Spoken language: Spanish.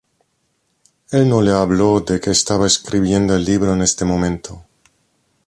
Él no le habló de que estaba escribiendo el libro en el momento.